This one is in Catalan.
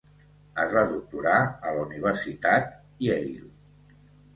Es va doctorar a la Universitat Yale.